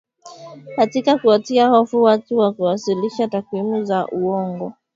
katika kuwatia hofu watu na kuwasilisha takwimu za uongo